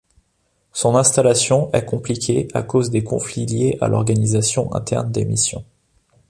Son installation est compliquée à cause des conflits liés à l'organisation interne des missions.